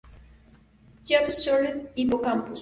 Jaap Schröder, Hippocampus.